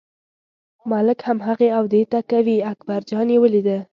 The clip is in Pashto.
ملک هم هغې او دې ته کوي، اکبرجان یې ولیده.